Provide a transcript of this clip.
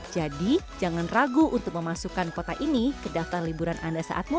jadi jangan ragu untuk memasukkan kota ini ke daftar liburan anda saat muda